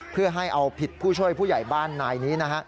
เพื่อให้เอาผิดผู้ช่วยผู้ใหญ่บ้านนายนี้นะฮะ